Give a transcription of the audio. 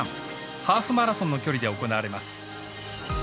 ハーフマラソンの距離で行われます。